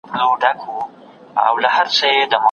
هغه په لړزېدونکو ګوتو خپله مړۍ اخیسته او سترګې یې ښکته وې.